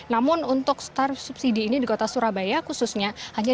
namun untuk star subsidi ini di kota surabaya khususnya